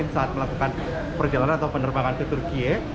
saat melakukan perjalanan atau penerbangan ke turkiye